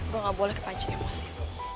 gue gak boleh kepancing emosi